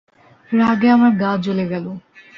রাগে আমার গা জ্বলে গেল।